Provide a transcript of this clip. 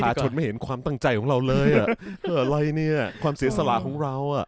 ชนไม่เห็นความตั้งใจของเราเลยอะไรเนี่ยความเสียสละของเราอ่ะ